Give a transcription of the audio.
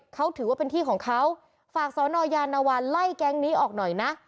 เขาถือว่าเป็นที่ของเขาฝากสอนอยานวันไล่แก๊งนี้ออกหน่อยนะ